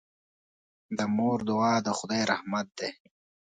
د مور دعا د خدای رحمت دی.